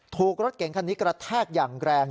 ถูกรถเก่งคันนี้กระแทกอย่างแรง